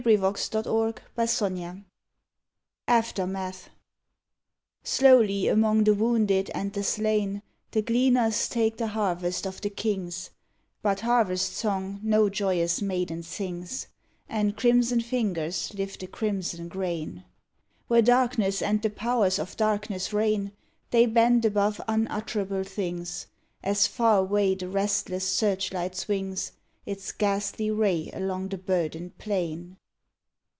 139 ON THE GREAT WAR AFTERMATH Slowly among the wounded and the slain The gleaners take the harvest of the kings, But harvest song no joyous maiden sings, And crimson fingers lift a crimson grain. Where darkness and the powers of darkness reign, They bend above unutterable things, As far away the restless searchlight swings Its ghastly ray along the burdened plain.